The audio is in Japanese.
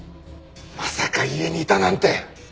まさか家にいたなんて！